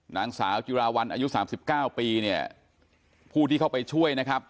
นางสาวจีราวัลอายุ๓๙ปีผู้ที่เข้าไปช่วย